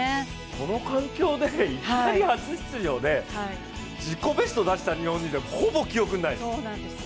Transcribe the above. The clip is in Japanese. この環境でいきなり初出場で自己ベストを出した日本人ってほぼ記憶ないです。